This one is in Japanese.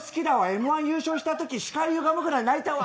Ｍ‐１優勝したとき視界がゆがむぐらい泣いたわ。